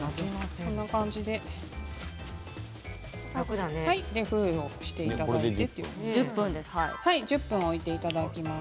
こんな感じで封をしていただいて１０分置いていただきます。